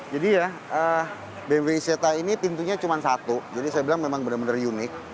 jadi ya bmw iceta ini pintunya cuma satu jadi saya bilang memang benar benar unik